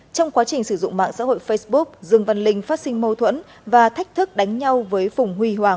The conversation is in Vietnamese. trong quá trình sử dụng mạng xã hội facebook dương văn linh phát sinh mâu thuẫn và thách thức đánh nhau với phùng huy hoàng